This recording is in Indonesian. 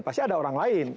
pasti ada orang lain